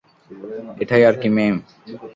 এটাই আরকি, ম্যাম।